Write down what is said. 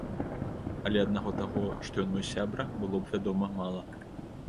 Але аднаго таго, што ён мой сябра, было б, вядома, мала.